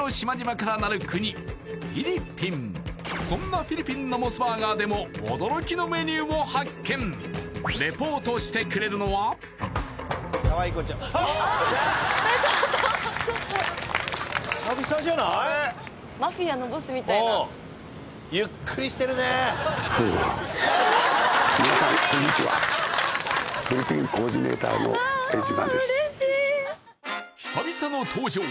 そんなフィリピンのモスバーガーでも驚きのメニューを発見久々の登場